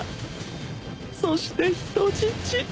そして人質。